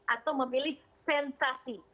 atau memilih sensasi